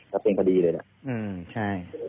รับเป็นคดีเลยล่ะ